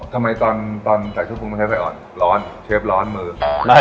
ทำไมตอนใส่ควบคุมไม่ใช้ไฟอ่อน